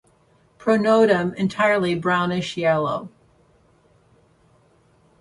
Pronotum entirely brownish yellow.